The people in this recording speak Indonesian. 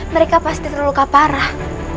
mereka pasti terluka parah